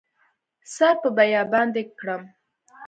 سر په بیابان دې کړم